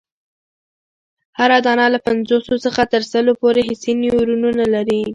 هره دانه له پنځوسو څخه تر سلو پوري حسي نیورونونه لري.